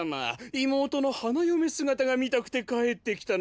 いもうとのはなよめすがたがみたくてかえってきたのですかな？